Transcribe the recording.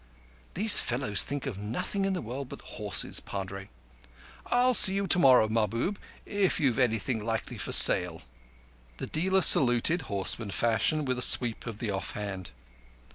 (These fellows think of nothing in the world but horses, Padre.) I'll see you tomorrow, Mahbub, if you've anything likely for sale." The dealer saluted, horseman fashion, with a sweep of the off hand.